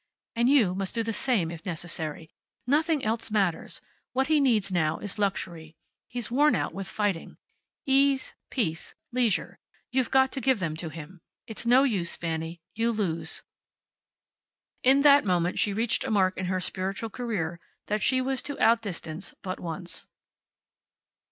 And you must do the same, if necessary. Nothing else matters. What he needs now is luxury. He's worn out with fighting. Ease. Peace. Leisure. You've got to give them to him. It's no use, Fanny. You lose." In that moment she reached a mark in her spiritual career that she was to outdistance but once.